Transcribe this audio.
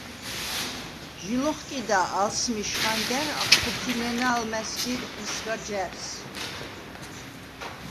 ჟი ლოხკიდა ალსმიშ ხანგა̈რ. ახფურთინენა ალმა̈სგირ ისგა ჯა̈რს.